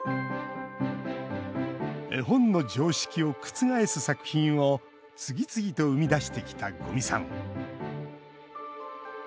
絵本の常識を覆す作品を次々と生み出してきた五味さん。